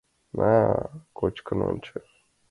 — На, кочкын ончо!